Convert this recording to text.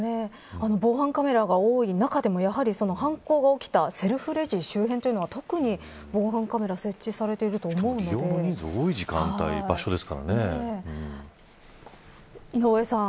防犯カメラが多い中でもやはり、犯行が起きたセルフレジ周辺というのは特に防犯カメラしかも利用人数の多い井上さん